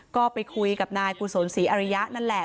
ก็ไปคุยกับนายกุศลศรีอริยะนั่นแหละ